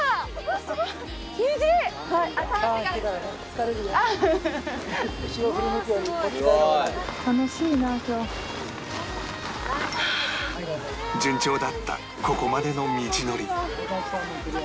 「すごい」順調だったここまでの道のり